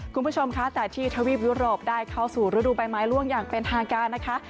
คุณผู้ชมคะแต่ที่ทวีปยุโรปได้เข้าสู่ฤดูใบไม้ล่วงอย่างเป็นทางการนะคะ